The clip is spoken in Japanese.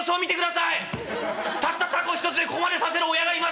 たった凧一つでここまでさせる親がいますよ！